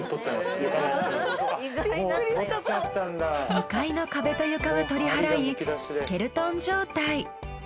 ２階の壁と床は取り払いスケルトン状態。